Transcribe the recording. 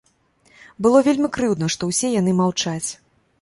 Было вельмі крыўдна, што ўсе яны маўчаць.